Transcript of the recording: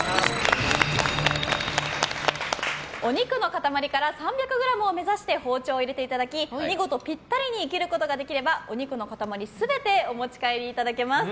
お肉の塊から３００ｇを目指して包丁を入れていただき見事ピッタリに切ることができればお肉の塊全てお持ち帰りいただけます。